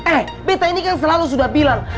eh peta ini kan selalu sudah bilang